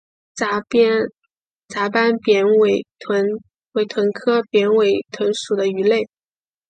杂斑扁尾鲀为鲀科扁尾鲀属的鱼类。